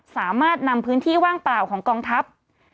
สามารถนำพื้นที่ว่างเปล่าของกองทัพ